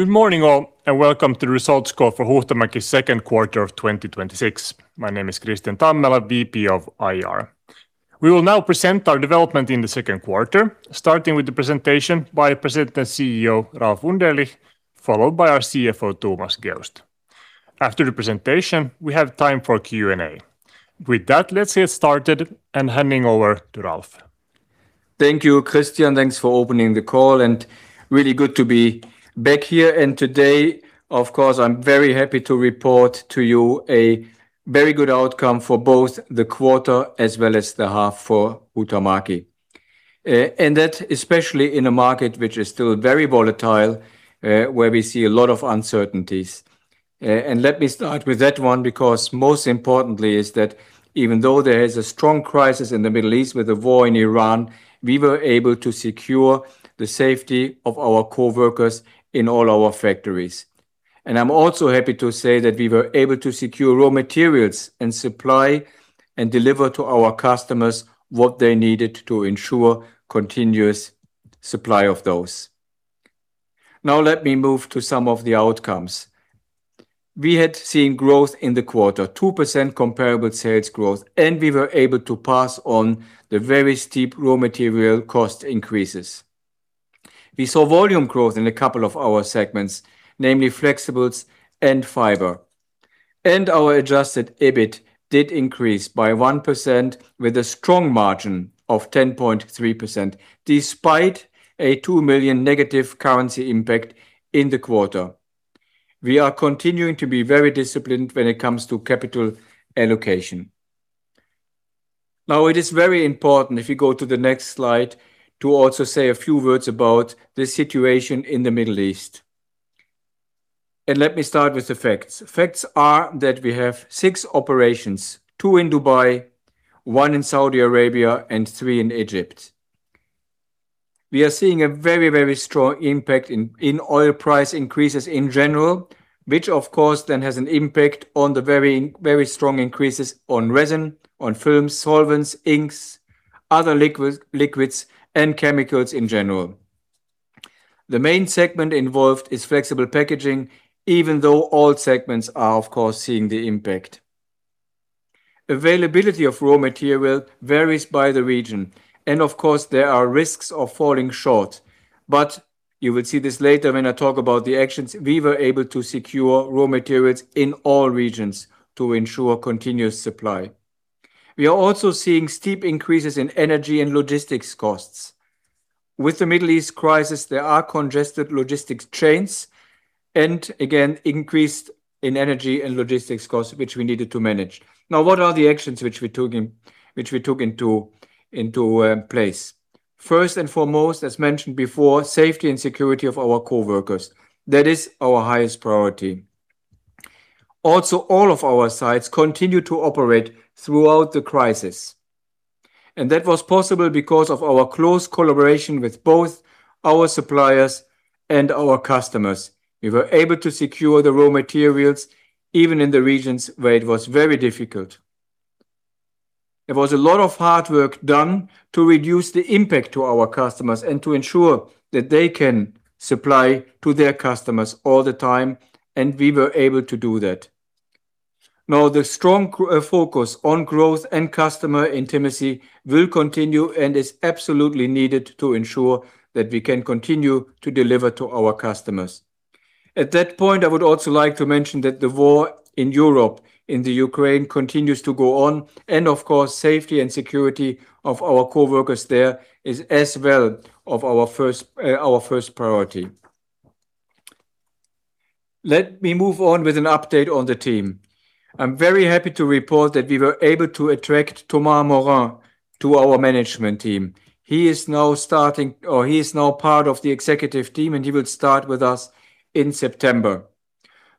Good morning all, welcome to the results call for Huhtamäki's second quarter of 2026. My name is Kristian Tammela, VP of IR. We will now present our development in the second quarter, starting with the presentation by President and CEO Ralf Wunderlich, followed by our CFO, Thomas Geust. After the presentation, we have time for Q&A. With that, let's get started, handing over to Ralf. Thank you, Kristian. Thanks for opening the call, really good to be back here. Today, of course, I'm very happy to report to you a very good outcome for both the quarter as well as the half for Huhtamäki. That especially in a market which is still very volatile, where we see a lot of uncertainties. Let me start with that one, because most importantly is that even though there is a strong crisis in the Middle East with the war in Iran, we were able to secure the safety of our coworkers in all our factories. I'm also happy to say that we were able to secure raw materials and supply and deliver to our customers what they needed to ensure continuous supply of those. Now let me move to some of the outcomes. We had seen growth in the quarter, 2% comparable sales growth, and we were able to pass on the very steep raw material cost increases. We saw volume growth in a couple of our segments, namely Flexibles and Fiber. Our Adjusted EBIT did increase by 1% with a strong margin of 10.3%, despite a 2 million negative currency impact in the quarter. We are continuing to be very disciplined when it comes to capital allocation. Now, it is very important, if you go to the next slide, to also say a few words about the situation in the Middle East. Let me start with the facts. Facts are that we have six operations, two in Dubai, one in Saudi Arabia, and three in Egypt. We are seeing a very strong impact in oil price increases in general, which of course then has an impact on the very strong increases on resin, on films, solvents, inks, other liquids, and chemicals in general. The main segment involved is Flexible Packaging, even though all segments are of course seeing the impact. Availability of raw material varies by the region, of course there are risks of falling short. You will see this later when I talk about the actions, we were able to secure raw materials in all regions to ensure continuous supply. We are also seeing steep increases in energy and logistics costs. With the Middle East crisis, there are congested logistics chains, again, increased in energy and logistics costs, which we needed to manage. Now, what are the actions which we took into place? First and foremost, as mentioned before, safety and security of our coworkers. That is our highest priority. All of our sites continued to operate throughout the crisis, and that was possible because of our close collaboration with both our suppliers and our customers. We were able to secure the raw materials even in the regions where it was very difficult. There was a lot of hard work done to reduce the impact to our customers and to ensure that they can supply to their customers all the time, and we were able to do that. The strong focus on growth and customer intimacy will continue and is absolutely needed to ensure that we can continue to deliver to our customers. I would also like to mention that the war in Europe, in the Ukraine, continues to go on, safety and security of our coworkers there is as well our first priority. Let me move on with an update on the team. I am very happy to report that we were able to attract Thomas Morin to our management team. He is now part of the executive team, and he will start with us in September.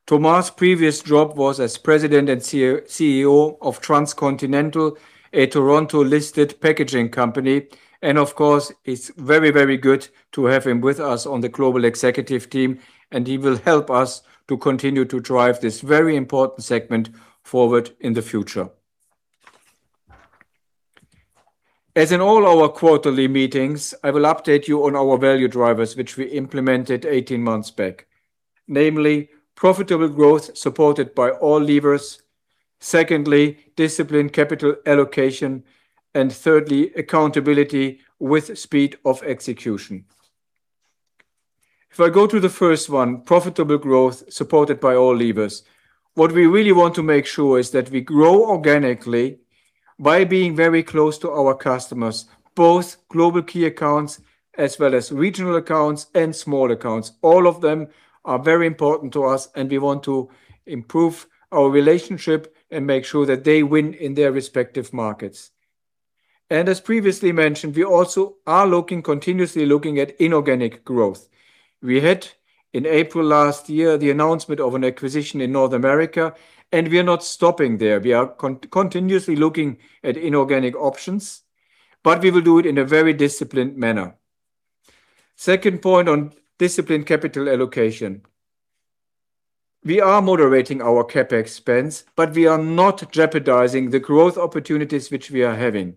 Thomas' previous job was as President and CEO of Transcontinental Inc., a Toronto-listed packaging company. It is very good to have him with us on the global executive team, and he will help us to continue to drive this very important segment forward in the future. As in all our quarterly meetings, I will update you on our value drivers, which we implemented 18 months back. Namely, profitable growth supported by all levers. Secondly, disciplined capital allocation. Thirdly, accountability with speed of execution. If I go to the first one, profitable growth supported by all levers. What we really want to make sure is that we grow organically by being very close to our customers, both global key accounts as well as regional accounts and small accounts. All of them are very important to us, and we want to improve our relationship and make sure that they win in their respective markets. As previously mentioned, we also are continuously looking at inorganic growth. We had in April last year the announcement of an acquisition in North America, and we are not stopping there. We are continuously looking at inorganic options, we will do it in a very disciplined manner. Second point on disciplined capital allocation. We are moderating our CapEx spends, we are not jeopardizing the growth opportunities which we are having.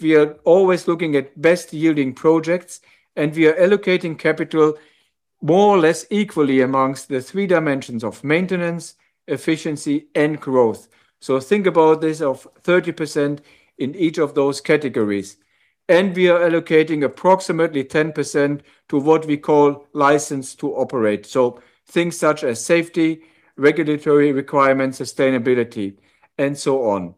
We are always looking at best yielding projects, and we are allocating capital more or less equally amongst the three dimensions of maintenance, efficiency, and growth. Think about this of 30% in each of those categories. We are allocating approximately 10% to what we call license to operate. Things such as safety, regulatory requirements, sustainability, and so on.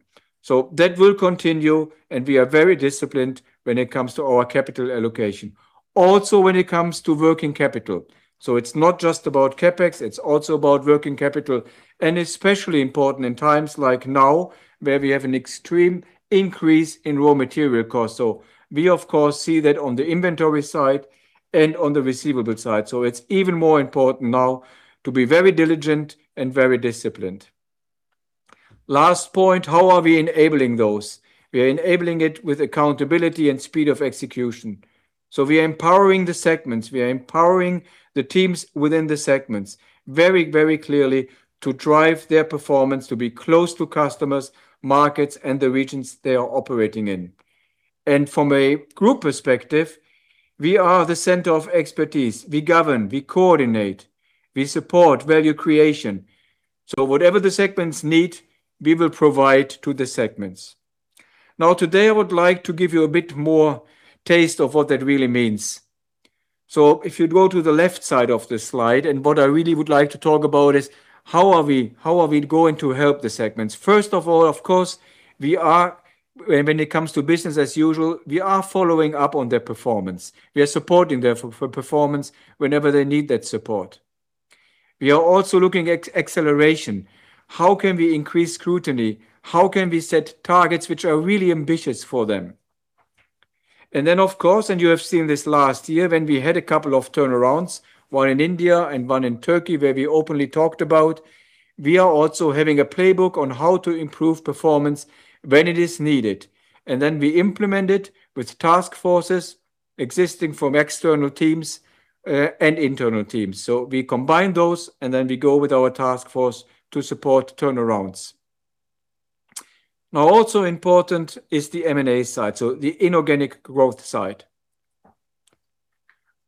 That will continue, and we are very disciplined when it comes to our capital allocation. When it comes to working capital. It is not just about CapEx, it is also about working capital, and especially important in times like now where we have an extreme increase in raw material costs. We of course see that on the inventory side and on the receivable side. It's even more important now to be very diligent and very disciplined. Last point, how are we enabling those? We are enabling it with accountability and speed of execution. We are empowering the segments, we are empowering the teams within the segments very clearly to drive their performance, to be close to customers, markets, and the regions they are operating in. From a group perspective, we are the center of expertise. We govern, we coordinate, we support value creation. Whatever the segments need, we will provide to the segments. Today, I would like to give you a bit more taste of what that really means. If you go to the left side of the slide, what I really would like to talk about is how are we going to help the segments? First of all, of course, when it comes to business as usual, we are following up on their performance. We are supporting their performance whenever they need that support. We are also looking at acceleration. How can we increase scrutiny? How can we set targets which are really ambitious for them? You have seen this last year when we had a couple of turnarounds, one in India and one in Turkey, where we openly talked about, we are also having a playbook on how to improve performance when it is needed. We implement it with task forces existing from external teams and internal teams. We combine those, we go with our task force to support turnarounds. Also important is the M&A side, so the inorganic growth side.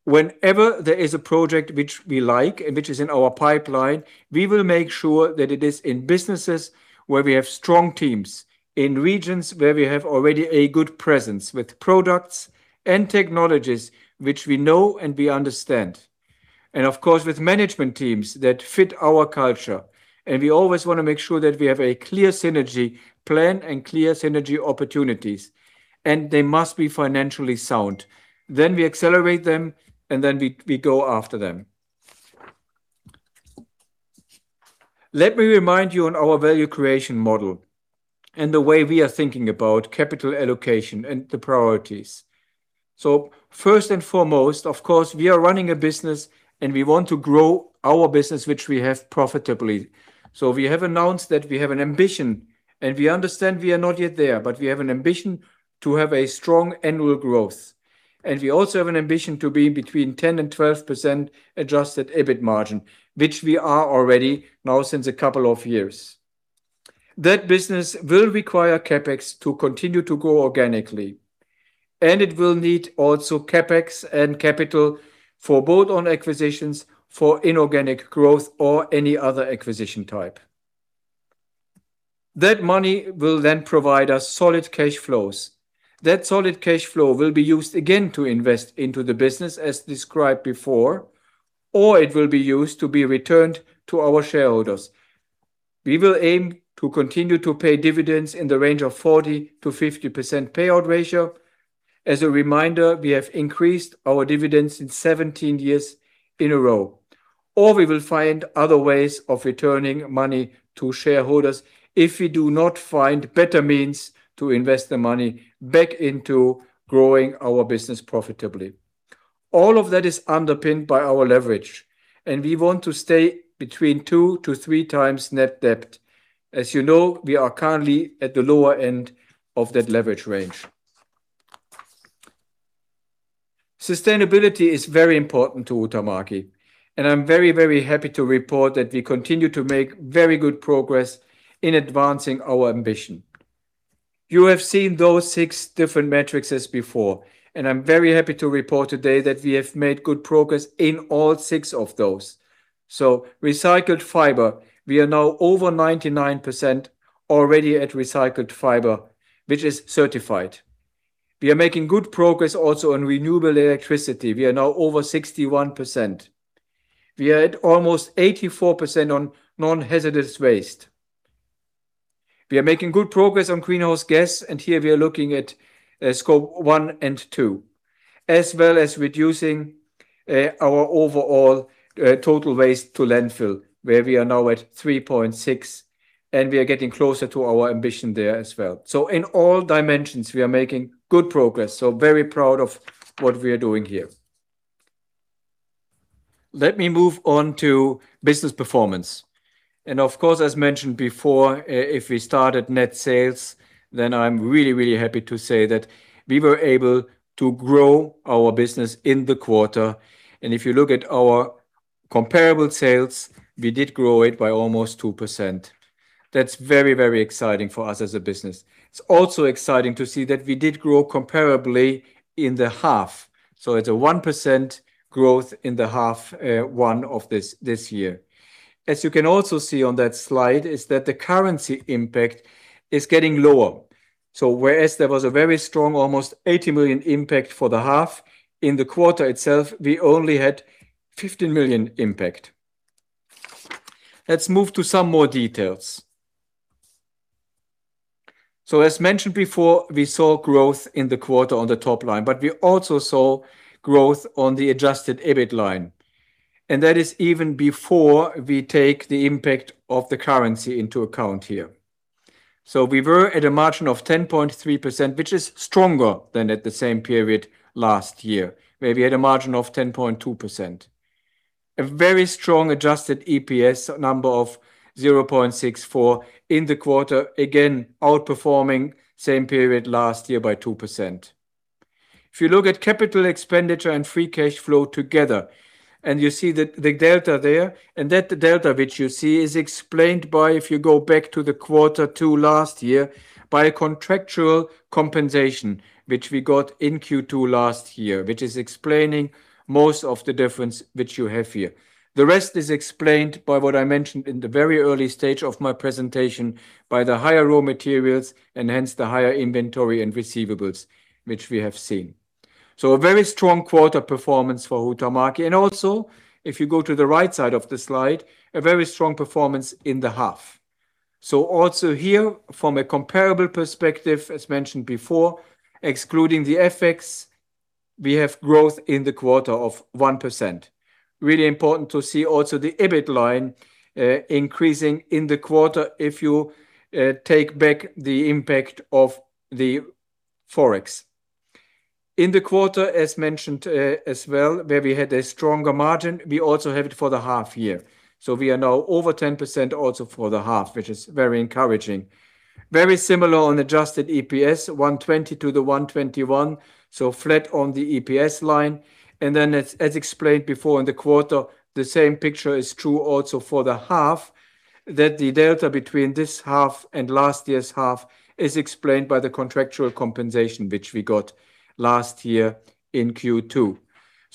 Whenever there is a project which we like and which is in our pipeline, we will make sure that it is in businesses where we have strong teams, in regions where we have already a good presence with products and technologies which we know and we understand. Of course, with management teams that fit our culture. We always want to make sure that we have a clear synergy plan and clear synergy opportunities, and they must be financially sound. We accelerate them, we go after them. Let me remind you on our value creation model and the way we are thinking about capital allocation and the priorities. First and foremost, of course, we are running a business, we want to grow our business which we have profitably. We have announced that we have an ambition, we understand we are not yet there, but we have an ambition to have a strong annual growth. We also have an ambition to be between 10%-12% Adjusted EBIT margin, which we are already now since a couple of years. That business will require CapEx to continue to grow organically, it will need also CapEx and capital for bolt-on acquisitions for inorganic growth or any other acquisition type. That money will provide us solid cash flows. That solid cash flow will be used again to invest into the business as described before, or it will be used to be returned to our shareholders. We will aim to continue to pay dividends in the range of 40%-50% payout ratio. As a reminder, we have increased our dividends in 17 years in a row. We will find other ways of returning money to shareholders if we do not find better means to invest the money back into growing our business profitably. All of that is underpinned by our leverage, and we want to stay between 2-3x net debt. As you know, we are currently at the lower end of that leverage range. Sustainability is very important to Huhtamäki, and I'm very happy to report that we continue to make very good progress in advancing our ambition. You have seen those six different metrics as before, and I'm very happy to report today that we have made good progress in all six of those. Recycled fiber, we are now over 99% already at recycled fiber, which is certified. We are making good progress also on renewable electricity. We are now over 61%. We are at almost 84% on non-hazardous waste. We are making good progress on greenhouse gas, and here we are looking at Scope 1 and 2, as well as reducing our overall total waste to landfill, where we are now at 3.6% and we are getting closer to our ambition there as well. In all dimensions, we are making good progress, so very proud of what we are doing here. Let me move on to business performance. Of course, as mentioned before, if we start at net sales, I'm really happy to say that we were able to grow our business in the quarter. If you look at our comparable sales, we did grow it by almost 2%. That's very exciting for us as a business. It's also exciting to see that we did grow comparably in the half, so it's a 1% growth in the half one of this year. As you can also see on that slide is that the currency impact is getting lower. Whereas there was a very strong almost 80 million impact for the half, in the quarter itself, we only had 15 million impact. Let's move to some more details. As mentioned before, we saw growth in the quarter on the top line, but we also saw growth on the Adjusted EBIT line, and that is even before we take the impact of the currency into account here. We were at a margin of 10.3%, which is stronger than at the same period last year, where we had a margin of 10.2%. A very strong Adjusted EPS number of 0.64 in the quarter, again, outperforming same period last year by 2%. If you look at capital expenditure and free cash flow together, and you see the delta there, and that delta which you see is explained by, if you go back to the quarter two last year, by a contractual compensation which we got in Q2 last year, which is explaining most of the difference that you have here. The rest is explained by what I mentioned in the very early stage of my presentation by the higher raw materials and hence the higher inventory and receivables, which we have seen. A very strong quarter performance for Huhtamäki. Also, if you go to the right side of the slide, a very strong performance in the half. Also here, from a comparable perspective, as mentioned before, excluding the FX, we have growth in the quarter of 1%. Really important to see also the EBIT line increasing in the quarter if you take back the impact of the Forex. In the quarter as mentioned as well, where we had a stronger margin, we also have it for the half year. We are now over 10% also for the half, which is very encouraging. Very similar on adjusted EPS 1.20-1.21, flat on the EPS line. As explained before in the quarter, the same picture is true also for the half, that the delta between this half and last year's half is explained by the contractual compensation which we got last year in Q2.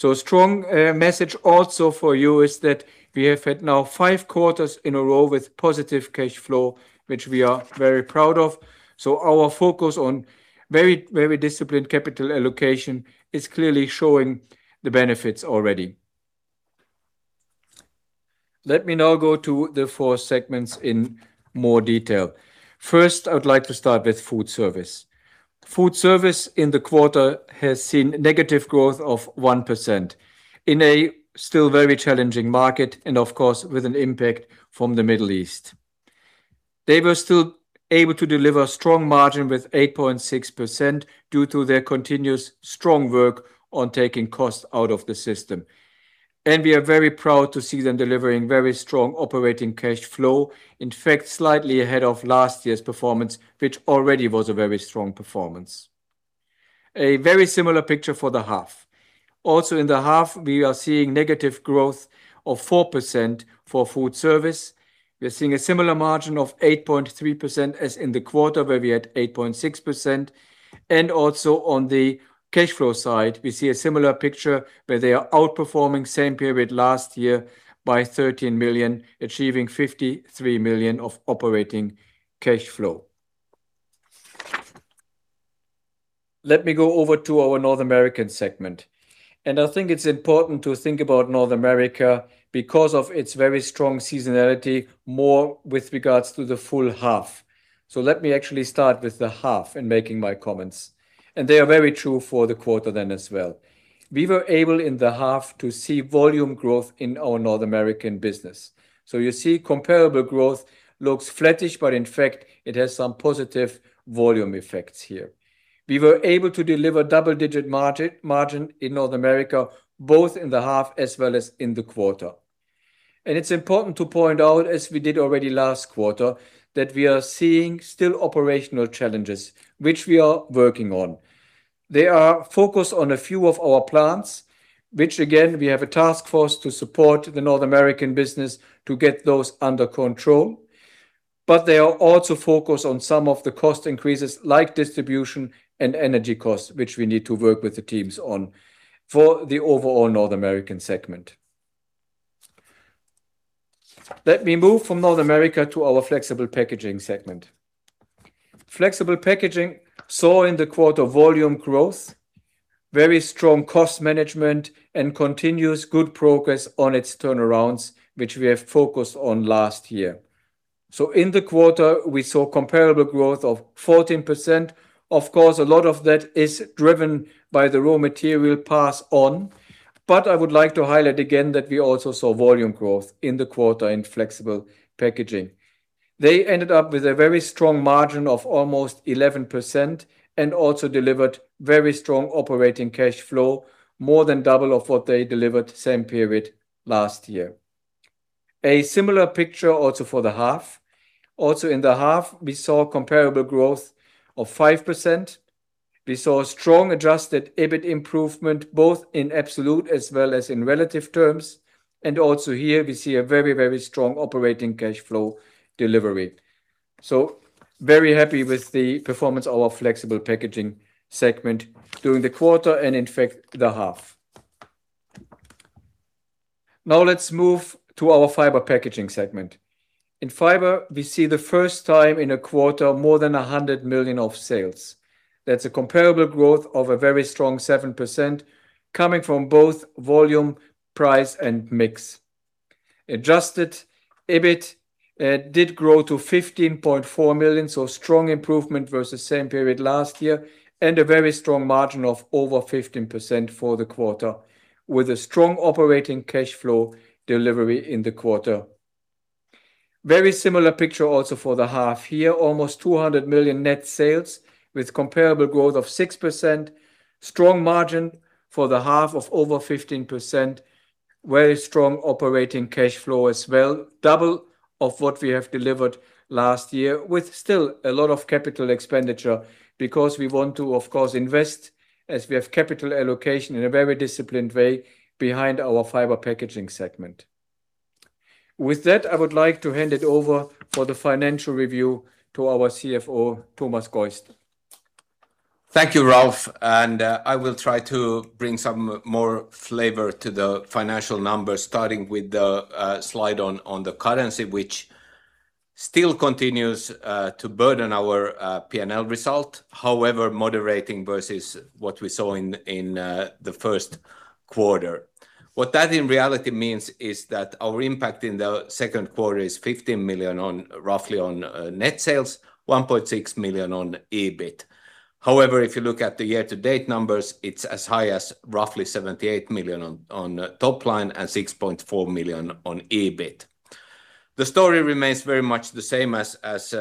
A strong message also for you is that we have had now five quarters in a row with positive cash flow, which we are very proud of. Our focus on very disciplined capital allocation is clearly showing the benefits already. Let me now go to the four segments in more detail. First, I would like to start with Foodservice. Foodservice in the quarter has seen negative growth of 1% in a still very challenging market, and of course, with an impact from the Middle East. They were still able to deliver strong margin with 8.6% due to their continuous strong work on taking costs out of the system. We are very proud to see them delivering very strong operating cash flow, in fact, slightly ahead of last year's performance, which already was a very strong performance. A very similar picture for the half. Also in the half, we are seeing negative growth of 4% for Foodservice. We are seeing a similar margin of 8.3% as in the quarter where we had 8.6%. Also on the cash flow side, we see a similar picture where they are outperforming same period last year by 13 million, achieving 53 million of operating cash flow. Let me go over to our North American segment. I think it's important to think about North America because of its very strong seasonality, more with regards to the full half. Let me actually start with the half in making my comments. They are very true for the quarter then as well. We were able in the half to see volume growth in our North American business. You see comparable growth looks flattish, but in fact it has some positive volume effects here. We were able to deliver double-digit margin in North America, both in the half as well as in the quarter. It's important to point out, as we did already last quarter, that we are seeing still operational challenges, which we are working on. They are focused on a few of our plants, which again, we have a task force to support the North American business to get those under control. They are also focused on some of the cost increases like distribution and energy costs, which we need to work with the teams on for the overall North American segment. Let me move from North America to our Flexible Packaging segment. Flexible Packaging saw in the quarter volume growth, very strong cost management, and continuous good progress on its turnarounds, which we have focused on last year. In the quarter, we saw comparable growth of 14%. Of course, a lot of that is driven by the raw material pass on. I would like to highlight again that we also saw volume growth in the quarter in Flexible Packaging. They ended up with a very strong margin of almost 11% and also delivered very strong operating cash flow, more than double of what they delivered same period last year. A similar picture also for the half. In the half, we saw comparable growth of 5%. We saw strong Adjusted EBIT improvement, both in absolute as well as in relative terms. Here we see a very strong operating cash flow delivery. Very happy with the performance of our Flexible Packaging segment during the quarter and in fact, the half. Let's move to our Fiber Packaging segment. In Fiber, we see the first time in a quarter, more than 100 million of sales. That's a comparable growth of a very strong 7%, coming from both volume, price, and mix. Adjusted EBIT did grow to 15.4 million, strong improvement versus same period last year, and a very strong margin of over 15% for the quarter, with a strong operating cash flow delivery in the quarter. Very similar picture also for the half. Here, almost 200 million net sales with comparable growth of 6%. Strong margin for the half of over 15%. Very strong operating cash flow as well, double of what we have delivered last year with still a lot of capital expenditure because we want to, of course, invest as we have capital allocation in a very disciplined way behind our Fiber Packaging segment. I would like to hand it over for the financial review to our CFO, Thomas Geust. Thank you, Ralf. I will try to bring some more flavor to the financial numbers, starting with the slide on the currency, which still continues to burden our P&L result. However, moderating versus what we saw in the first quarter. What that in reality means is that our impact in the second quarter is 15 million roughly on net sales, 1.6 million on EBIT. If you look at the year-to-date numbers, it's as high as roughly 78 million on top line and 6.4 million on EBIT. The story remains very much the same as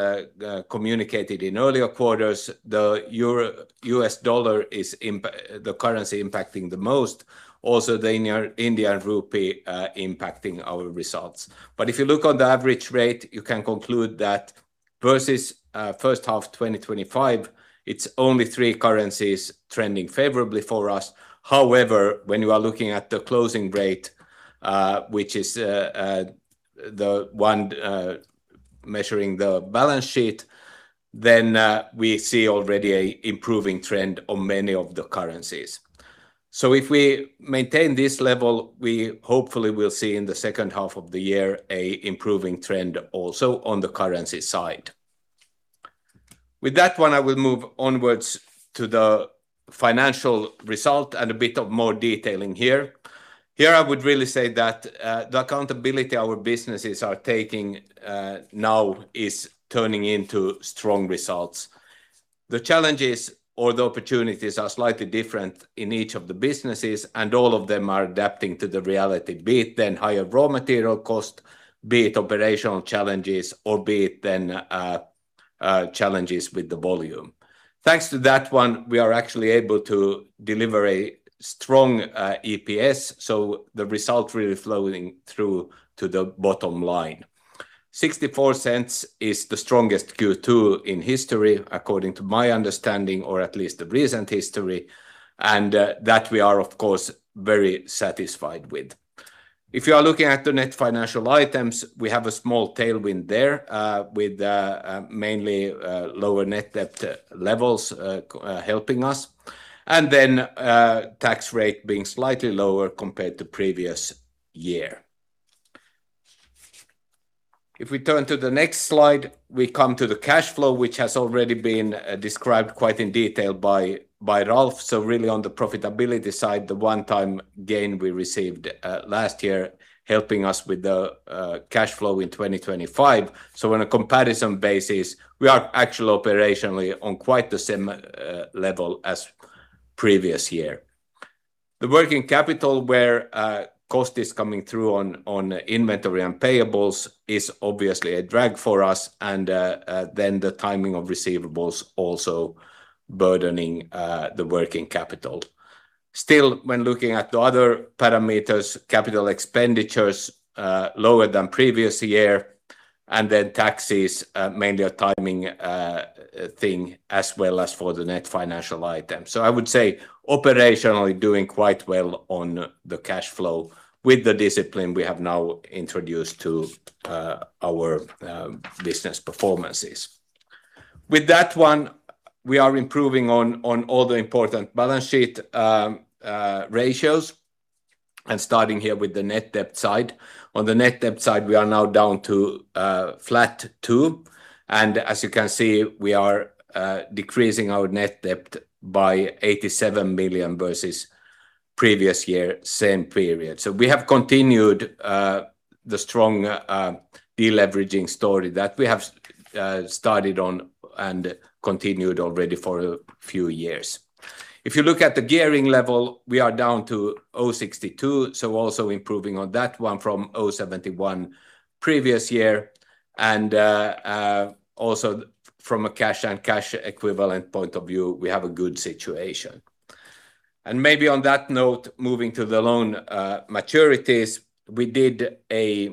communicated in earlier quarters. The US dollar is the currency impacting the most. Also the Indian rupee impacting our results. If you look on the average rate, you can conclude that versus first half 2025, it's only three currencies trending favorably for us. When you are looking at the closing rate, which is the one measuring the balance sheet, then we see already an improving trend on many of the currencies. If we maintain this level, we hopefully will see in the second half of the year an improving trend also on the currency side. I will move onwards to the financial result and a bit of more detailing here. I would really say that the accountability our businesses are taking now is turning into strong results. The challenges or the opportunities are slightly different in each of the businesses, and all of them are adapting to the reality, be it then higher raw material cost, be it operational challenges, or be it then challenges with the volume. Thanks to that one, we are actually able to deliver a strong EPS, so the result really flowing through to the bottom line. 0.64 is the strongest Q2 in history, according to my understanding, or at least the recent history. That we are, of course, very satisfied with. If you are looking at the net financial items, we have a small tailwind there, with mainly lower net debt levels helping us. Tax rate being slightly lower compared to previous year. If we turn to the next slide, we come to the cash flow, which has already been described quite in detail by Ralf. Really on the profitability side, the one-time gain we received last year helping us with the cash flow in 2025. On a comparison basis, we are actually operationally on quite the same level as previous year. The working capital where cost is coming through on inventory and payables is obviously a drag for us and then the timing of receivables also burdening the working capital. Still, when looking at the other parameters, capital expenditures lower than previous year, taxes, mainly a timing thing as well as for the net financial item. I would say operationally doing quite well on the cash flow with the discipline we have now introduced to our business performances. With that one, we are improving on all the important balance sheet ratios and starting here with the net debt side. On the net debt side, we are now down to flat 2, and as you can see, we are decreasing our net debt by 87 million versus previous year, same period. We have continued the strong deleveraging story that we have started on and continued already for a few years. If you look at the gearing level, we are down to 0.62, so also improving on that one from 0.71 previous year. Also From a cash and cash equivalent point of view, we have a good situation. Maybe on that note, moving to the loan maturities, we did a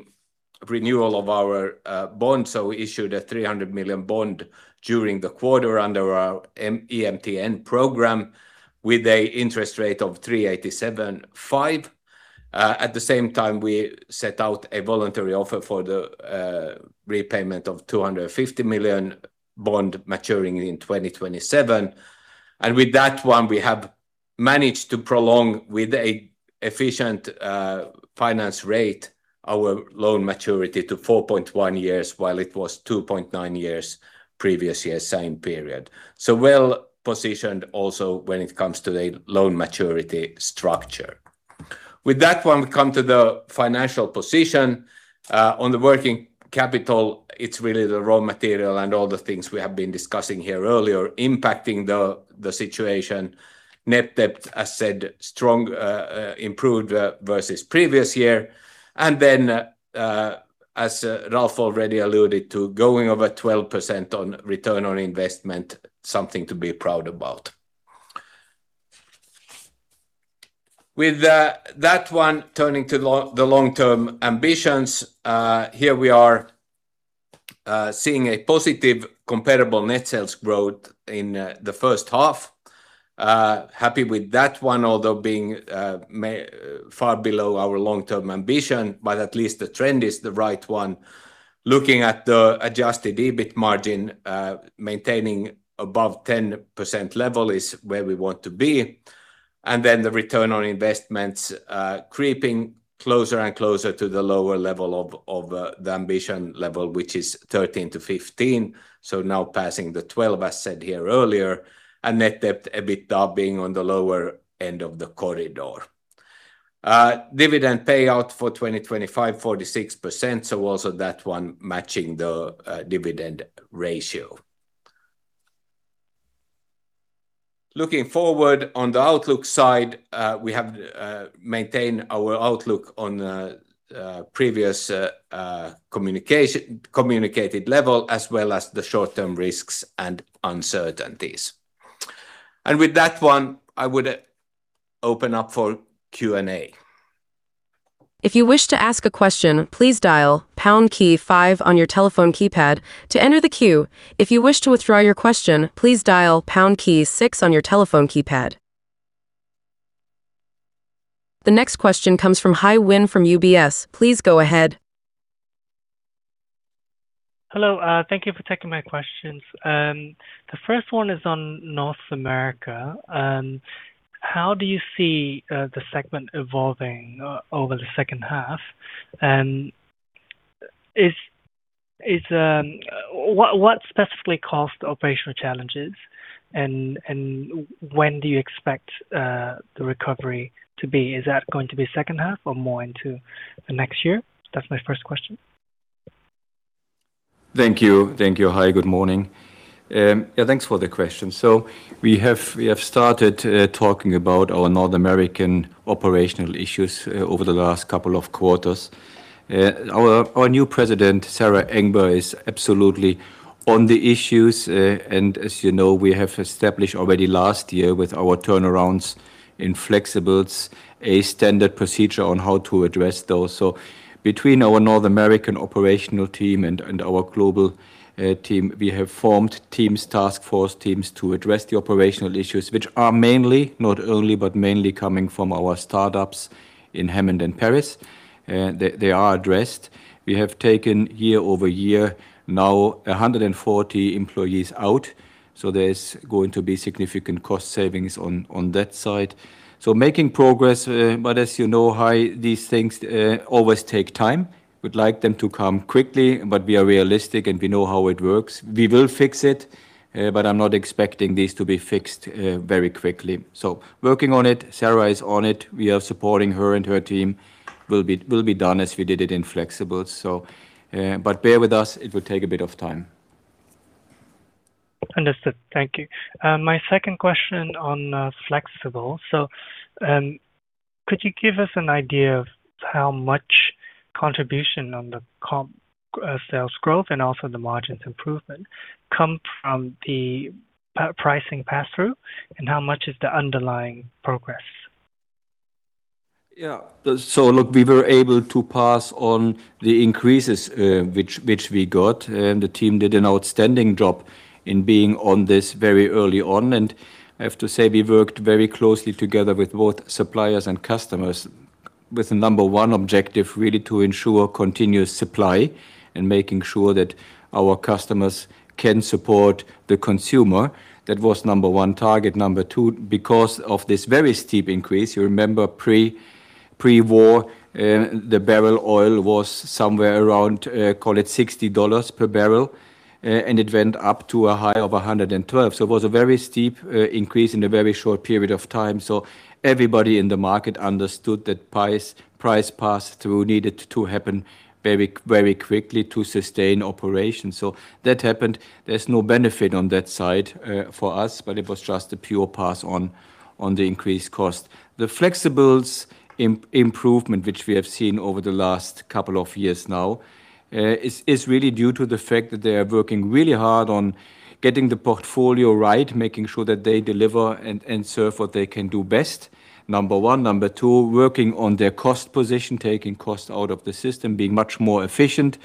renewal of our bond. We issued a 300 million bond during the quarter under our EMTN program with a interest rate of 3.875%. At the same time, we set out a voluntary offer for the repayment of 250 million bond maturing in 2027. With that one, we have managed to prolong with a efficient finance rate, our loan maturity to 4.1 years while it was 2.9 years previous year, same period. Well-positioned also when it comes to the loan maturity structure. With that one, we come to the financial position. On the working capital, it's really the raw material and all the things we have been discussing here earlier impacting the situation. Net debt, as said, strong improved versus previous year. As Ralf already alluded to, going over 12% on return on investment, something to be proud about. With that one, turning to the long-term ambitions. Here we are seeing a positive comparable net sales growth in the first half. Happy with that one, although being far below our long-term ambition, but at least the trend is the right one. Looking at the adjusted EBIT margin, maintaining above 10% level is where we want to be. The return on investments creeping closer and closer to the lower level of the ambition level, which is 13-15. Now passing the 12, as said here earlier. net debt/EBITDA being on the lower end of the corridor. Dividend payout for 2025, 46%, also that one matching the dividend ratio. Looking forward on the outlook side, we have maintained our outlook on previous communicated level as well as the short-term risks and uncertainties. With that one, I would open up for Q&A. If you wish to ask a question, please dial pound key five on your telephone keypad to enter the queue. If you wish to withdraw your question, please dial #6 on your telephone keypad. The next question comes from Hai Huynh from UBS. Please go ahead. Hello. Thank you for taking my questions. The first one is on North America. How do you see the segment evolving over the second half? What specifically caused the operational challenges and when do you expect the recovery to be? Is that going to be second half or more into the next year? That's my first question. Thank you. Thank you, Hai. Good morning. Yeah, thanks for the question. We have started talking about our North American operational issues over the last couple of quarters. Our new President, Sara Engber, is absolutely on the issues. As you know, we have established already last year with our turnarounds in Flexibles, a standard procedure on how to address those. Between our North American operational team and our global team, we have formed teams, task force teams, to address the operational issues, which are mainly, not only, but mainly coming from our startups in Hammond and Paris. They are addressed. We have taken year-over-year now 140 employees out, there's going to be significant cost savings on that side. Making progress, but as you know, Hai, these things always take time. We'd like them to come quickly, but we are realistic and we know how it works. We will fix it, but I'm not expecting this to be fixed very quickly. Working on it, Sara is on it. We are supporting her and her team. Will be done as we did it in Flexibles. Bear with us, it will take a bit of time. Understood. Thank you. My second question on Flexibles. Could you give us an idea of how much contribution on the comp sales growth and also the margins improvement come from the pricing pass-through, and how much is the underlying progress? Look, we were able to pass on the increases, which we got. The team did an outstanding job in being on this very early on. I have to say, we worked very closely together with both suppliers and customers with the number one objective, really to ensure continuous supply and making sure that our customers can support the consumer. That was number one target. Number two, because of this very steep increase, you remember pre-war, the barrel oil was somewhere around, call it $60 per barrel, and it went up to a high of $112. It was a very steep increase in a very short period of time. Everybody in the market understood that price pass-through needed to happen very quickly to sustain operations. That happened. There's no benefit on that side for us, it was just a pure pass on the increased cost. The Flexibles improvement, which we have seen over the last couple of years now, is really due to the fact that they are working really hard on getting the portfolio right, making sure that they deliver and serve what they can do best, number one. Number two, working on their cost position, taking cost out of the system, being much more efficient.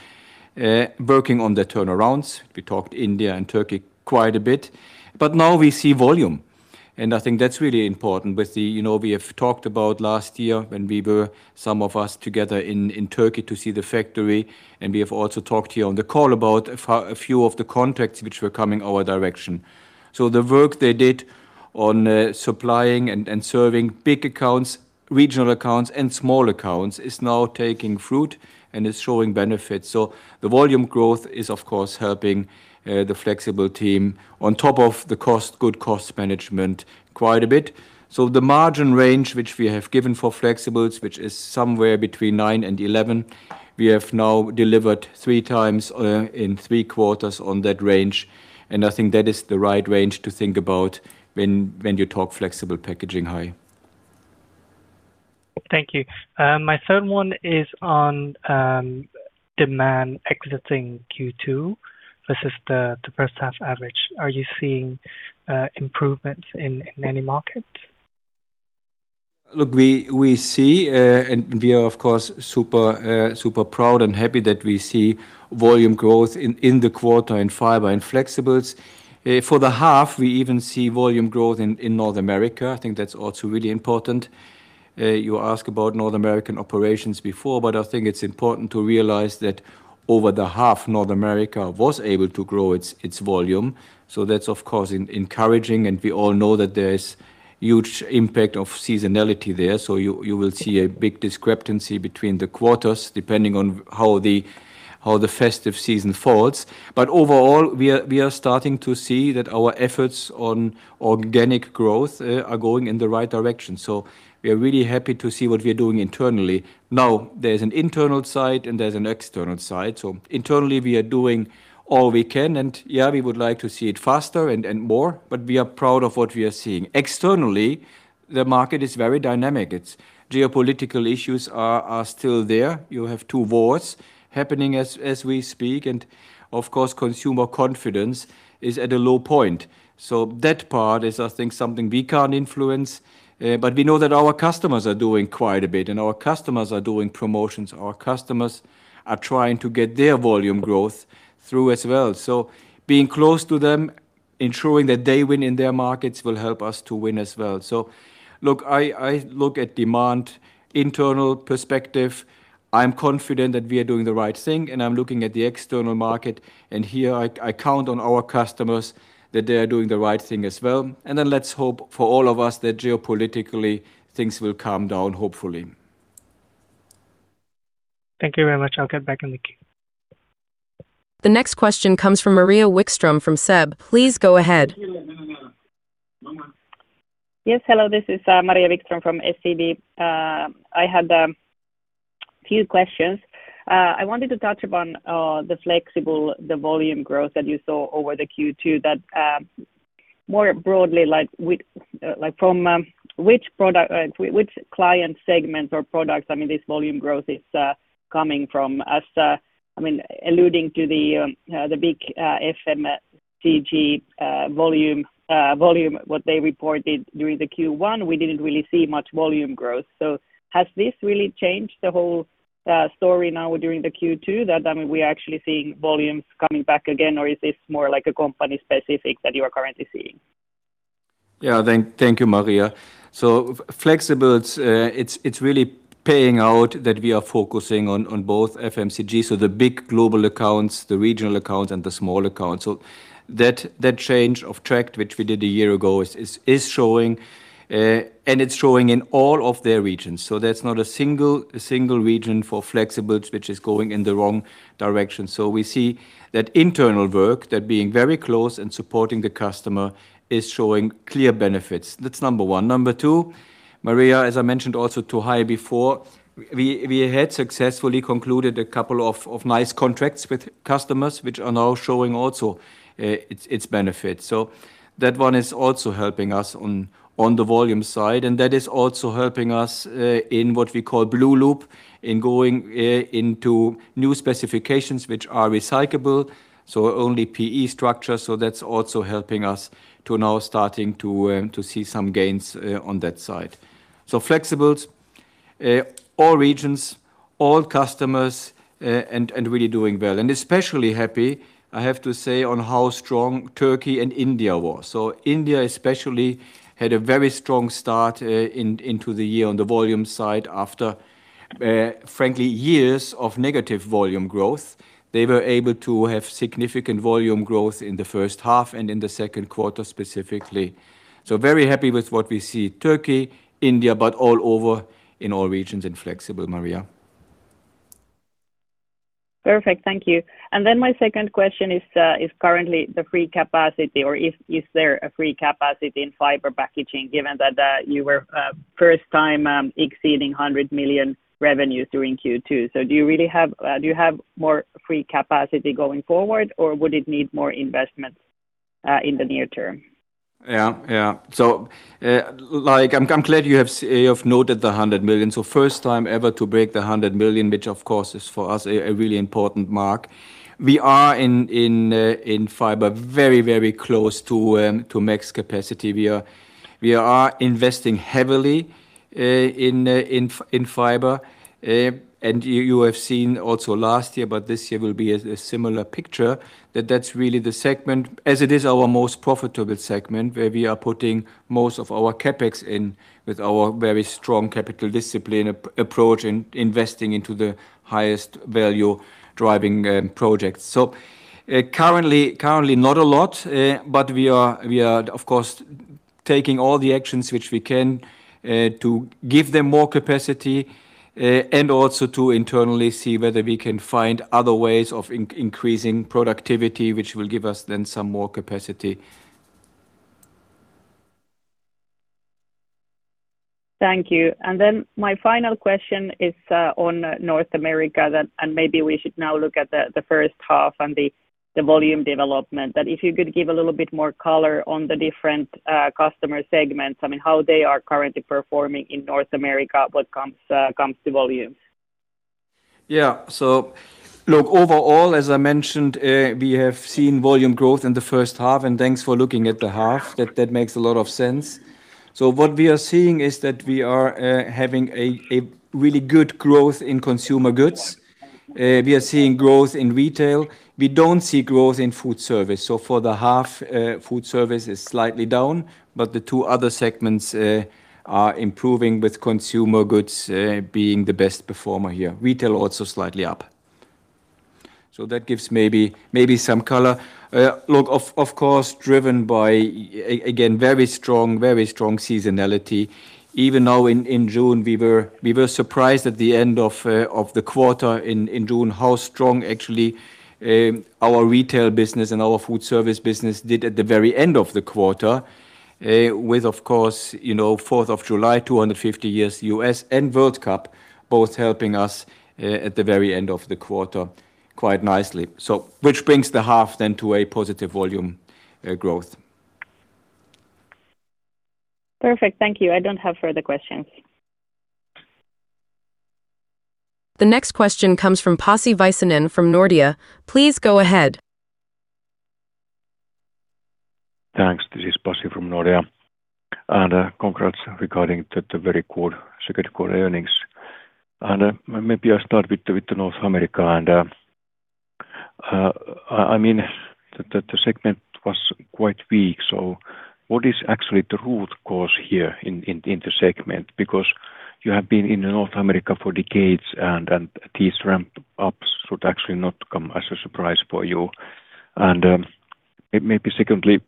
Working on the turnarounds. We talked India and Turkey quite bit. Now we see volume, and I think that's really important. We have talked about last year when we were, some of us, together in Turkey to see the factory, we have also talked here on the call about a few of the contracts which were coming our direction. The work they did on supplying and serving big accounts, regional accounts, and small accounts is now taking fruit and is showing benefits. The volume growth is, of course, helping the flexible team on top of the good cost management quite a bit. The margin range, which we have given for flexibles, which is somewhere between nine and 11, we have now delivered 3x in three quarters on that range, and I think that is the right range to think about when you talk Flexible Packaging, Hai. Thank you. My third one is on demand exiting Q2 versus the first half average. Are you seeing improvements in any market? Look, we see, and we are, of course, super proud and happy that we see volume growth in the quarter in fiber and flexibles. For the half, we even see volume growth in North America. I think that's also really important. You asked about North American operations before, but I think it's important to realize that over the half, North America was able to grow its volume. That's, of course, encouraging, and we all know that there is huge impact of seasonality there. You will see a big discrepancy between the quarters depending on how the festive season falls. Overall, we are starting to see that our efforts on organic growth are going in the right direction. We are really happy to see what we are doing internally. There's an internal side and there's an external side. Internally, we are doing all we can and, yeah, we would like to see it faster and more, but we are proud of what we are seeing. Externally, the market is very dynamic. Its geopolitical issues are still there. You have two wars happening as we speak, and of course, consumer confidence is at a low point. That part is, I think, something we can't influence, but we know that our customers are doing quite a bit, and our customers are doing promotions. Our customers are trying to get their volume growth through as well. Being close to them, ensuring that they win in their markets, will help us to win as well. I look at demand, internal perspective. I'm confident that we are doing the right thing, I'm looking at the external market, here, I count on our customers that they are doing the right thing as well. Let's hope for all of us that geopolitically, things will calm down, hopefully. Thank you very much. I'll get back in the queue. The next question comes from Maria Wikström from SEB. Please go ahead. Yes, hello. This is Maria Wikström from SEB. I had a few questions. I wanted to touch upon the flexible, the volume growth that you saw over the Q2 that more broadly, from which client segment or products this volume growth is coming from? Alluding to the big FMCG volume, what they reported during the Q1, we didn't really see much volume growth. Has this really changed the whole story now during the Q2 that we are actually seeing volumes coming back again, or is this more like a company specific that you are currently seeing? Thank you, Maria. Flexibles, it is really paying out that we are focusing on both FMCG, the big global accounts, the regional accounts, and the small accounts. That change of track which we did a year ago is showing, and it is showing in all of their regions. There is not a single region for flexibles which is going in the wrong direction. We see that internal work, that being very close and supporting the customer, is showing clear benefits. That is number one Number two, Maria, as I mentioned also to Hai before, we had successfully concluded a couple of nice contracts with customers which are now showing also its benefits. That one is also helping us on the volume side, and that is also helping us, in what we call blueloop, in going into new specifications which are recyclable, so only PE structure. That is also helping us to now starting to see some gains on that side. Flexibles, all regions, all customers, and really doing well. Especially happy, I have to say, on how strong Turkey and India was. India especially had a very strong start into the year on the volume side after, frankly, years of negative volume growth. They were able to have significant volume growth in the first half and in the second quarter specifically. Very happy with what we see. Turkey, India, but all over in all regions in Flexible, Maria. Perfect. Thank you. Then my second question is currently the free capacity, or is there a free capacity in Fiber Packaging given that you were first time exceeding 100 million revenue during Q2? Do you have more free capacity going forward, or would it need more investments in the near term? I am glad you have noted the 100 million. First time ever to break the 100 million, which of course is for us a really important mark. We are, in Fiber, very close to max capacity. We are investing heavily in Fiber. You have seen also last year, but this year will be a similar picture, that that is really the segment, as it is our most profitable segment, where we are putting most of our CapEx in with our very strong capital discipline approach in investing into the highest value-driving projects. Currently, not a lot, but we are, of course, taking all the actions which we can to give them more capacity, and also to internally see whether we can find other ways of increasing productivity, which will give us then some more capacity. Thank you. My final question is on North America, and maybe we should now look at the first half and the volume development. If you could give a little bit more color on the different customer segments, how they are currently performing in North America when it comes to volume. Yeah. Look, overall, as I mentioned, we have seen volume growth in the first half, and thanks for looking at the half. That makes a lot of sense. What we are seeing is that we are having a really good growth in consumer goods. We are seeing growth in retail. We don't see growth in Foodservice Packaging. For the half, Foodservice Packaging is slightly down, but the two other segments are improving with consumer goods being the best performer here. Retail also slightly up. That gives maybe some color. Look, of course, driven by, again, very strong seasonality. Even now in June, we were surprised at the end of the quarter in June how strong actually our retail business and our Foodservice Packaging business did at the very end of the quarter. With, of course, 4th of July, 250 years U.S. and World Cup both helping us at the very end of the quarter quite nicely. Which brings the half then to a positive volume growth. Perfect. Thank you. I don't have further questions. The next question comes from Pasi Väisänen from Nordea. Please go ahead. Thanks. This is Pasi from Nordea. Congrats regarding the very good second quarter earnings. Maybe I start with North America. The segment was quite weak. What is actually the root cause here in the segment? You have been in North America for decades, and these ramp-ups should actually not come as a surprise for you. Maybe secondly,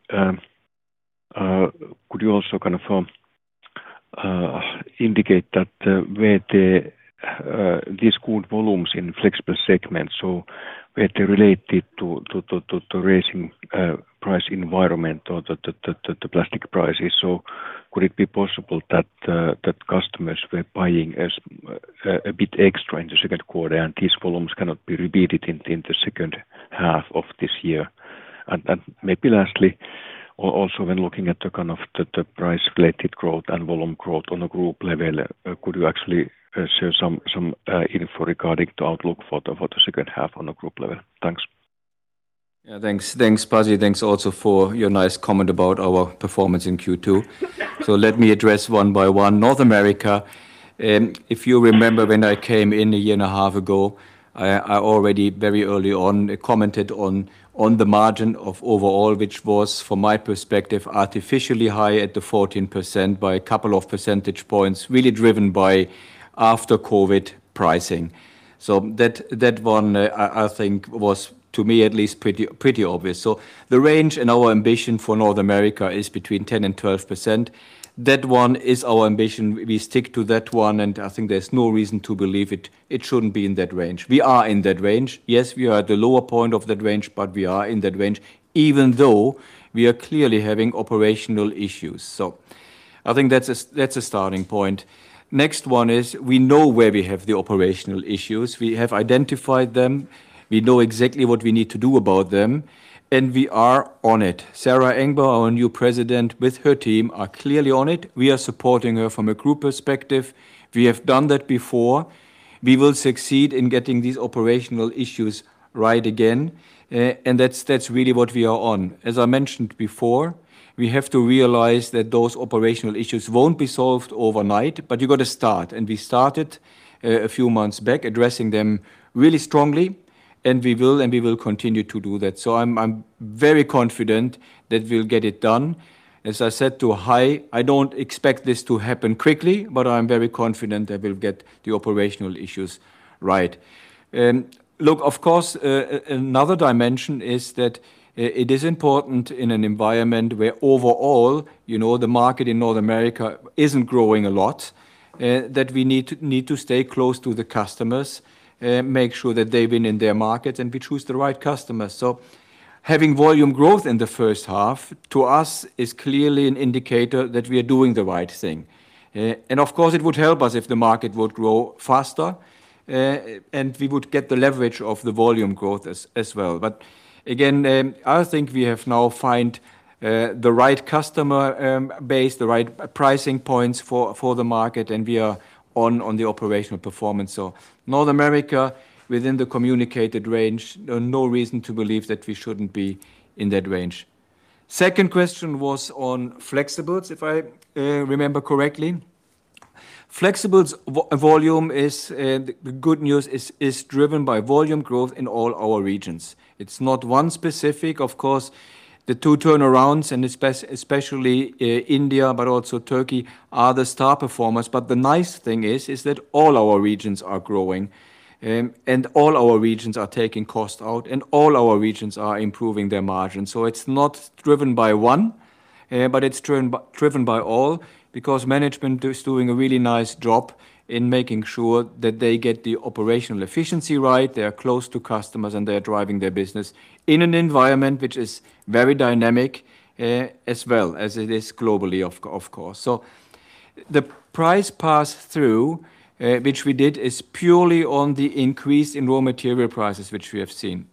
could you also indicate where these good volumes in Flexible Packaging, were they related to raising price environment or the plastic prices? Could it be possible that customers were buying a bit extra in the second quarter and these volumes cannot be repeated in the second half of this year? Maybe lastly, also when looking at the price-related growth and volume growth on a group level, could you actually share some info regarding the outlook for the second half on a group level? Thanks. Thanks, Pasi. Thanks also for your nice comment about our performance in Q2. Let me address one by one. North America, if you remember, when I came in a year and a half ago, I already very early on commented on the margin of overall, which was, from my perspective, artificially high at the 14% by a couple of percentage points, really driven by after-COVID pricing. That one, I think, was to me at least pretty obvious. The range and our ambition for North America is between 10%-12%. That one is our ambition. We stick to that one, and I think there's no reason to believe it shouldn't be in that range. We are in that range. Yes, we are at the lower point of that range, but we are in that range even though we are clearly having operational issues. I think that's a starting point. Next one is we know where we have the operational issues. We have identified them. We know exactly what we need to do about them. We are on it. Sara Engber, our new President, with her team, are clearly on it. We are supporting her from a group perspective. We have done that before. We will succeed in getting these operational issues right again. That's really what we are on. As I mentioned before, we have to realize that those operational issues won't be solved overnight, but you got to start. We started a few months back addressing them really strongly, and we will continue to do that. I'm very confident that we'll get it done. As I said to Hai, I don't expect this to happen quickly, but I'm very confident that we'll get the operational issues right. Look, of course, another dimension is that it is important in an environment where overall, the market in North America isn't growing a lot, that we need to stay close to the customers, make sure that they win in their market, and we choose the right customers. Having volume growth in the first half to us is clearly an indicator that we are doing the right thing. Of course, it would help us if the market would grow faster, and we would get the leverage of the volume growth as well. Again, I think we have now found the right customer base, the right pricing points for the market, and we are on the operational performance. North America within the communicated range, no reason to believe that we shouldn't be in that range. Second question was on Flexibles, if I remember correctly. Flexibles volume, the good news is driven by volume growth in all our regions. It's not one specific. Of course, the two turnarounds, and especially India, but also Turkey, are the star performers. The nice thing is that all our regions are growing, and all our regions are taking cost out, and all our regions are improving their margins. It's not driven by one, but it's driven by all, because management is doing a really nice job in making sure that they get the operational efficiency right, they are close to customers, and they are driving their business in an environment which is very dynamic, as well as it is globally of course. The price pass-through, which we did, is purely on the increase in raw material prices, which we have seen.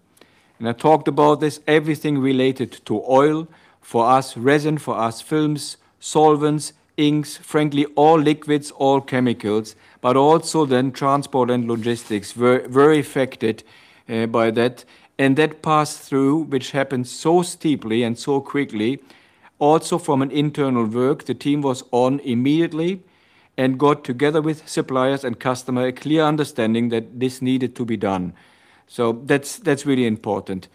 I talked about this, everything related to oil, for us resin, for us films, solvents, inks, frankly, all liquids, all chemicals, but also then transport and logistics were very affected by that. That pass-through, which happened so steeply and so quickly, also from an internal work, the team was on immediately and got together with suppliers and customer a clear understanding that this needed to be done. That's really important.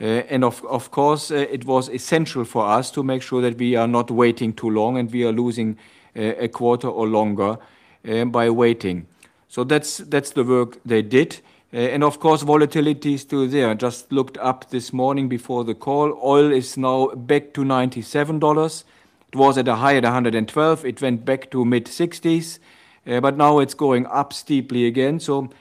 Of course, it was essential for us to make sure that we are not waiting too long and we are losing a quarter or longer by waiting. That's the work they did. Of course, volatility is still there. I just looked up this morning before the call. Oil is now back to $97. It was at a high at $112. It went back to mid-$60s. Now it's going up steeply again.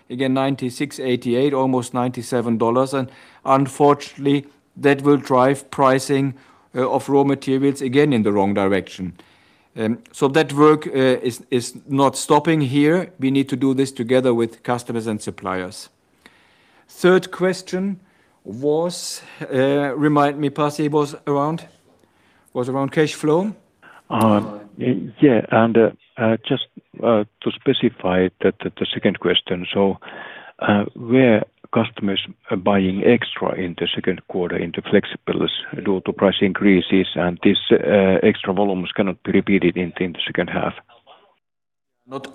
Again, $96.88, almost $97. Unfortunately, that will drive pricing of raw materials again in the wrong direction. That work is not stopping here. We need to do this together with customers and suppliers. Third question was, remind me, Pasi, it was around? Was around cash flow? Yeah. Just to specify the second question, were customers buying extra in the second quarter into Flexibles due to price increases and these extra volumes cannot be repeated into the second half?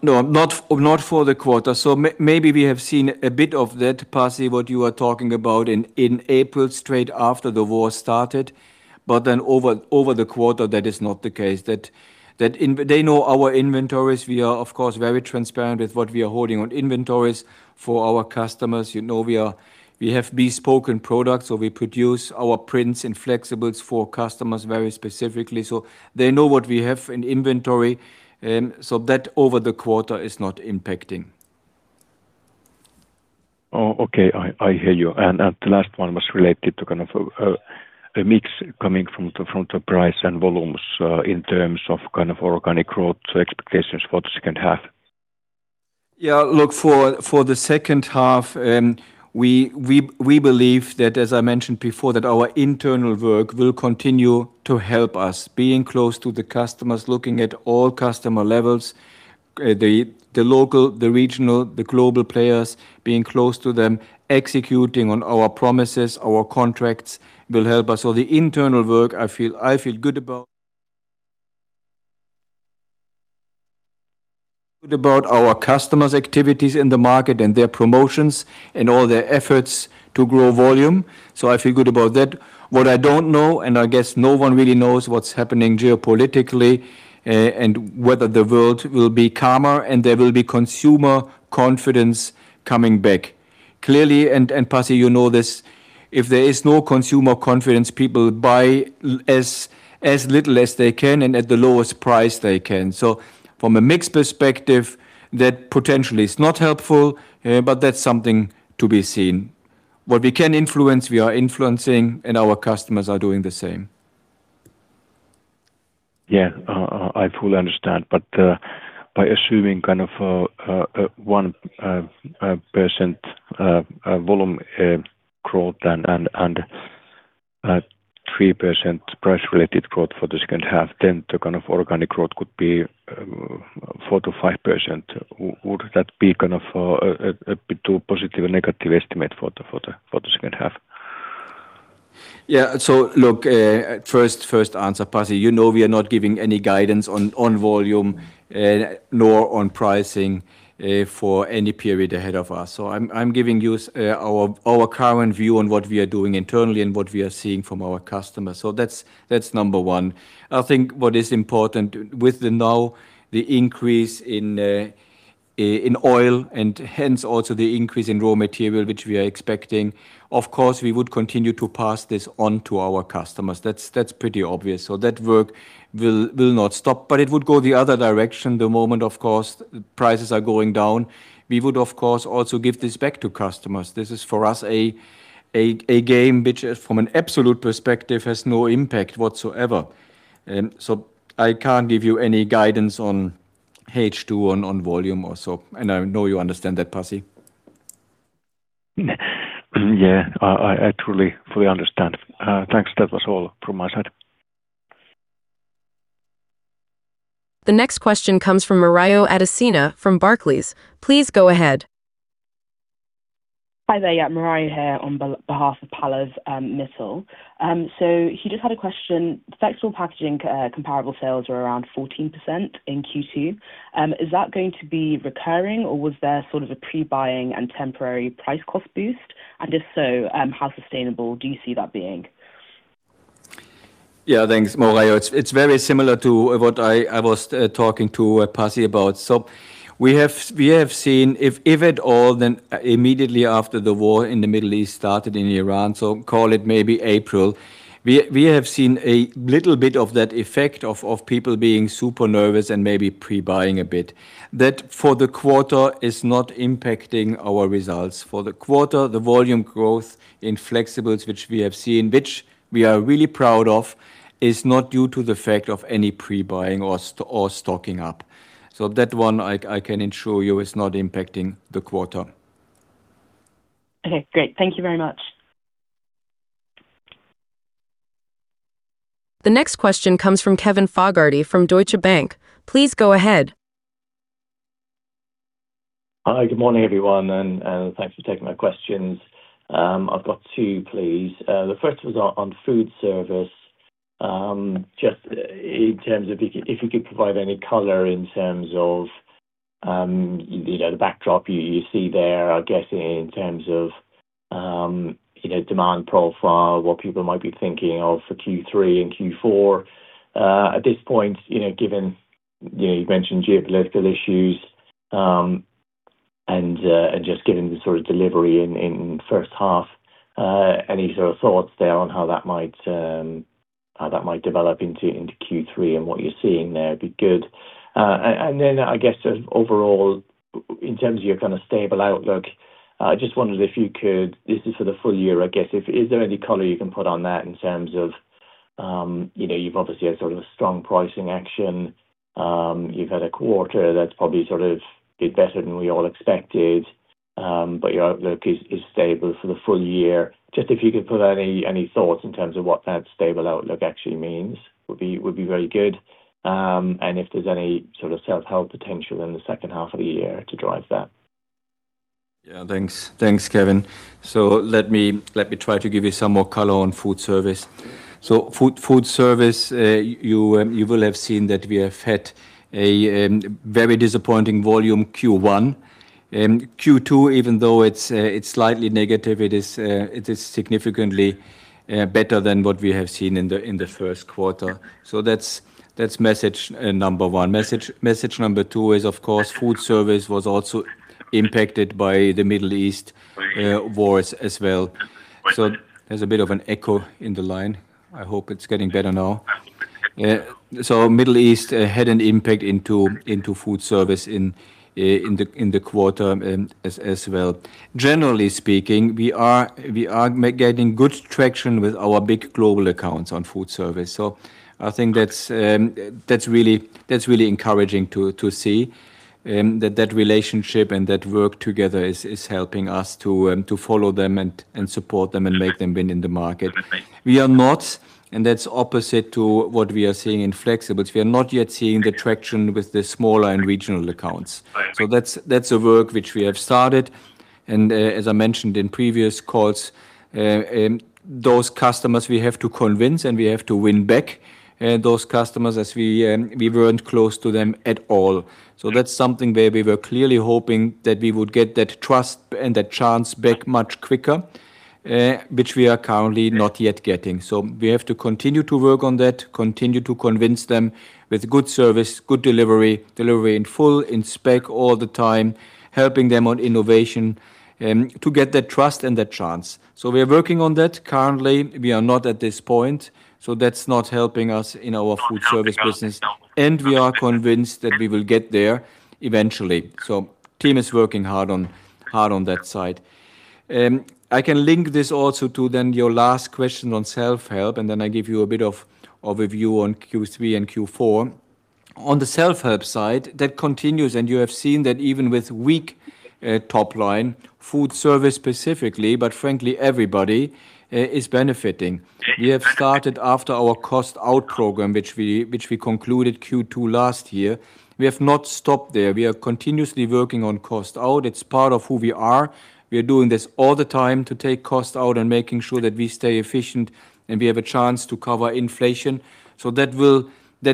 No, not for the quarter. Maybe we have seen a bit of that, Pasi, what you are talking about in April, straight after the war started. Over the quarter, that is not the case. They know our inventories. We are, of course, very transparent with what we are holding on inventories for our customers. We have bespoken products, we produce our prints and flexibles for customers very specifically. They know what we have in inventory. That over the quarter is not impacting. Oh, okay. I hear you. The last one was related to a mix coming from the price and volumes in terms of organic growth expectations for the second half. Look, for the second half, we believe that, as I mentioned before, that our internal work will continue to help us. Being close to the customers, looking at all customer levels, the local, the regional, the global players, being close to them, executing on our promises, our contracts will help us. The internal work, I feel good about our customers' activities in the market and their promotions and all their efforts to grow volume. I feel good about that. What I don't know, and I guess no one really knows, what's happening geopolitically and whether the world will be calmer and there will be consumer confidence coming back. Clearly, and Pasi, you know this, if there is no consumer confidence, people buy as little as they can and at the lowest price they can. From a mix perspective, that potentially is not helpful, that's something to be seen. What we can influence, we are influencing, and our customers are doing the same. I fully understand. By assuming 1% volume growth and 3% price-related growth for the second half, the kind of organic growth could be 4%-5%. Would that be a bit too positive a negative estimate for the second half? Look, first answer, Pasi, you know we are not giving any guidance on volume nor on pricing for any period ahead of us. I'm giving you our current view on what we are doing internally and what we are seeing from our customers. That's number one. I think what is important with the now the increase in oil and hence also the increase in raw material, which we are expecting, of course, we would continue to pass this on to our customers. That's pretty obvious. That work will not stop. It would go the other direction the moment, of course, prices are going down. We would, of course, also give this back to customers. This is for us a game which from an absolute perspective has no impact whatsoever. I can't give you any guidance on H2 on volume or so, and I know you understand that, Pasi. Yeah. I truly fully understand. Thanks. That was all from my side. The next question comes from Morayo Adesina from Barclays. Please go ahead. Hi there. Morayo here on behalf of Pallav Mittal. He just had a question. Flexible Packaging comparable sales are around 14% in Q2. Is that going to be recurring or was there sort of a pre-buying and temporary price cost boost? If so, how sustainable do you see that being? Yeah, thanks, Morayo. It's very similar to what I was talking to Pasi about. We have seen, if at all, then immediately after the war in the Middle East started in Iran, call it maybe April. We have seen a little bit of that effect of people being super nervous and maybe pre-buying a bit. That for the quarter is not impacting our results. For the quarter, the volume growth in flexibles, which we have seen, which we are really proud of, is not due to the fact of any pre-buying or stocking up. That one I can assure you is not impacting the quarter. Okay, great. Thank you very much. The next question comes from Kevin Fogarty from Deutsche Bank. Please go ahead. Hi, good morning, everyone, and thanks for taking my questions. I've got two, please. The first was on food service. Just in terms of if you could provide any color in terms of the backdrop you see there, I guess in terms of demand profile, what people might be thinking of for Q3 and Q4. At this point, given you mentioned geopolitical issues, and just given the sort of delivery in first half, any sort of thoughts there on how that might develop into Q3 and what you're seeing there'd be good. Then, I guess just overall, in terms of your kind of stable outlook, I just wondered if you could, this is for the full year, I guess. Is there any color you can put on that in terms of, you've obviously had sort of a strong pricing action. You've had a quarter that's probably sort of did better than we all expected. Your outlook is stable for the full year. Just if you could put any thoughts in terms of what that stable outlook actually means would be very good. If there's any sort of self-help potential in the second half of the year to drive that. Yeah, thanks. Thanks, Kevin. Let me try to give you some more color on food service. Food service, you will have seen that we have had a very disappointing volume Q1. Q2, even though it's slightly negative, it is significantly better than what we have seen in the first quarter. That's message number one. Message number two is, of course, food service was also impacted by the Middle East wars as well. There's a bit of an echo in the line. I hope it's getting better now. Yeah. Middle East had an impact into food service in the quarter as well. Generally speaking, we are getting good traction with our big global accounts on food service. I think that's really encouraging to see, that that relationship and that work together is helping us to follow them and support them and make them win in the market. We are not, and that's opposite to what we are seeing in flexibles. We are not yet seeing the traction with the smaller and regional accounts. That's a work which we have started, and as I mentioned in previous calls, those customers we have to convince, and we have to win back those customers as we weren't close to them at all. That's something where we were clearly hoping that we would get that trust and that chance back much quicker, which we are currently not yet getting. We have to continue to work on that, continue to convince them with good service, good delivery in full, in spec all the time, helping them on innovation, to get that trust and that chance. We are working on that. Currently, we are not at this point, so that's not helping us in our food service business. We are convinced that we will get there eventually. Team is working hard on that side. I can link this also to then your last question on self-help, and then I give you a bit of overview on Q3 and Q4. On the self-help side, that continues, and you have seen that even with weak top line food service specifically, but frankly, everybody is benefiting. We have started after our cost-out program, which we concluded Q2 last year. We have not stopped there. We are continuously working on cost-out. It's part of who we are. We are doing this all the time to take cost out and making sure that we stay efficient and we have a chance to cover inflation. That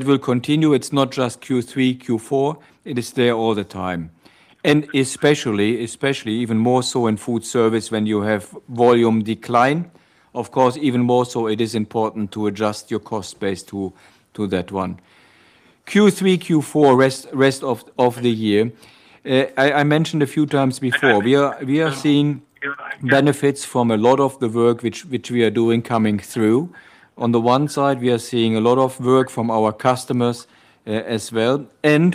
will continue. It's not just Q3, Q4. It is there all the time. Especially even more so in Foodservice when you have volume decline, of course, even more so it is important to adjust your cost base to that one. Q3, Q4, rest of the year. I mentioned a few times before, we are seeing benefits from a lot of the work which we are doing coming through. On the one side, we are seeing a lot of work from our customers as well,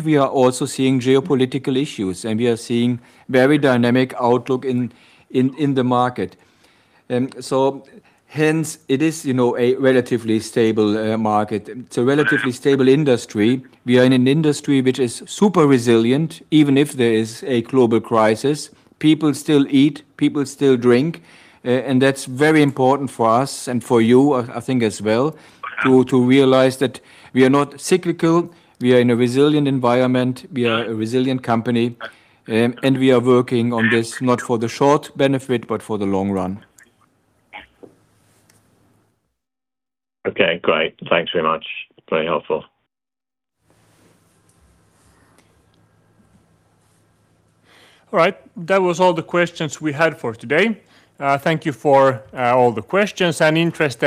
we are also seeing geopolitical issues, we are seeing very dynamic outlook in the market. Hence it is a relatively stable market. It's a relatively stable industry. We are in an industry which is super resilient. Even if there is a global crisis, people still eat, people still drink. That's very important for us and for you, I think, as well, to realize that we are not cyclical. We are in a resilient environment. We are a resilient company, we are working on this not for the short benefit, but for the long run. Okay, great. Thanks very much. Very helpful. All right. That was all the questions we had for today. Thank you for all the questions and interest.